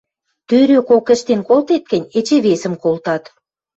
Тӧрӧкок ӹштен колтет гӹнь, эче весӹм колтат...